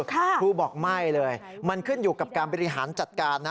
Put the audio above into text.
ครูบอกไม่เลยมันขึ้นอยู่กับการบริหารจัดการนะ